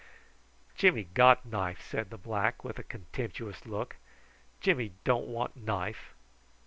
"Jimmy got knife," said the black, with a contemptuous look. "Jimmy don't want knife."